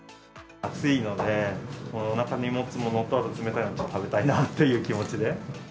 暑いので、おなかにもつものと、冷たいもの食べたいなという気持ちで。